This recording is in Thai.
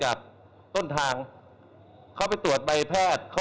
เพราะถือว่าคุณไม่มีความรับผิดชอบต่อสังคม